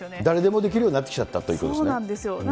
誰でもできるようになってきちゃったということですね。